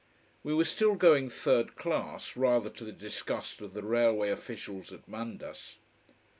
We were still going third class, rather to the disgust of the railway officials at Mandas.